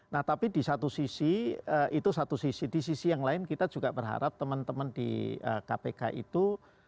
nah tapi di satu sisi itu satu sisi di sisi yang lain kita juga berharap teman teman di kpk itu